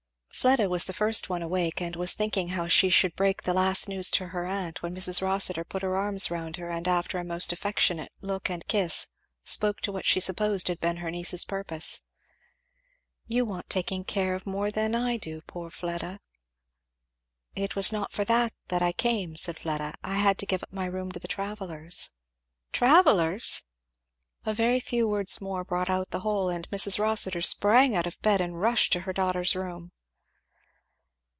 Fleda was the first one awake, and was thinking how she should break the last news to her aunt, when Mrs. Rossitur put her arms round her and after a most affectionate look and kiss, spoke to what she supposed had been her niece's purpose. "You want taking care of more than I do, poor Fleda!" "It was not for that I came," said Fleda; "I had to give up my room to the travellers." "Travellers! " A very few words more brought out the whole, and Mrs. Rossitur sprang out of bed and rushed to her daughter's room.